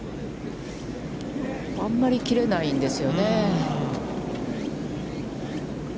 あんまり切れないんですよね。